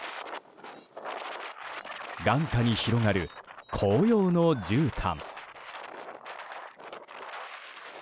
眼下に広がる紅葉のじゅうたん。